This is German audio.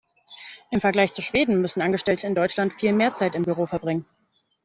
Im Vergleich zu Schweden müssen Angestellte in Deutschland viel mehr Zeit im Büro verbringen.